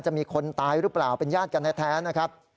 มีคนตายหรือเปล่าเป็นญาติกันแท้นะครับ